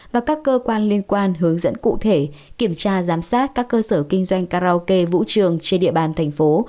và các cơ quan liên quan hướng dẫn cụ thể kiểm tra giám sát các cơ sở kinh doanh karaoke vũ trường trên địa bàn thành phố